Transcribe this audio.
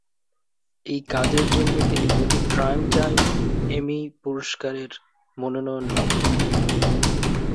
এই কাজের জন্য তিনি দুটি প্রাইমটাইম এমি পুরস্কারের মনোনয়ন লাভ করেন।